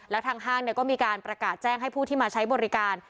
แล้วทางห้างก็มีการประกาศแจ้งให้ผู้ที่มาใช้บริการ